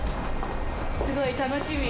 すごい楽しみ。